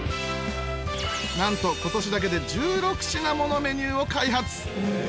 なんと今年だけで１６品ものメニューを開発